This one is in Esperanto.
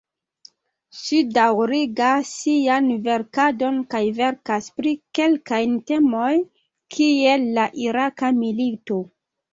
Ŝi daŭrigas sian verkadon kaj verkas pri kelkaj temoj, kiel la Iraka milito.